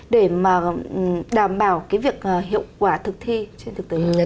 để mà đảm bảo cái việc hiệu quả thực thi trên thực tế